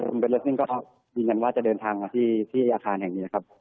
คุณเบอร์เลสนิ้งก็ยืนยังว่าจะเดินทางที่อาคารแห่งนี้ครับ